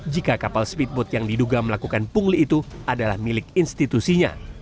jika kapal speedboat yang diduga melakukan pungli itu adalah milik institusinya